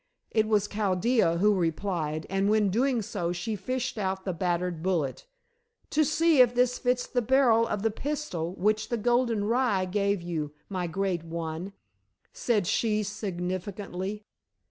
It was Chaldea who replied, and when doing so she fished out the battered bullet. "To see if this fits the barrel of the pistol which the golden rye gave you, my great one," said she significantly.